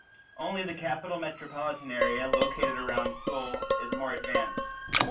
Only the Capital Metropolitan Area, located around Seoul, is more advanced.